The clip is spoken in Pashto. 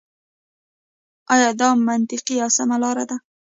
آيـا دا مـنطـقـي او سـمـه لاره ده.